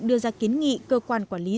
đưa ra kiến nghị cơ quan quản lý